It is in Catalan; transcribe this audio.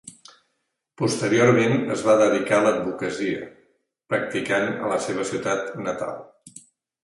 Posteriorment es va dedicar a l'advocacia, practicant a la seva ciutat natal.